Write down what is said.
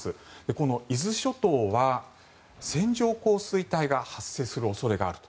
この伊豆諸島は線状降水帯が発生する恐れがあると。